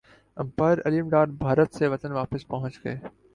empire Aleem Dar Bharat سے وطن واپس پہنچ گئے